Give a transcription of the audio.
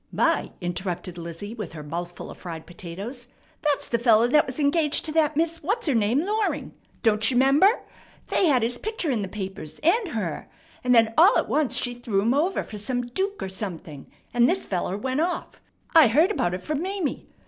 "My!" interrupted Lizzie with her mouth full of fried potatoes. "That's that fellow that was engaged to that Miss What's her Name Loring. Don't you 'member? They had his picture in the papers, and her; and then all at once she threw him over for some dook or something, and this feller went off. I heard about it from Mame.